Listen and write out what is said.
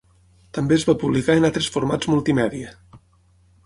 També es va publicar en altres formats multimèdia.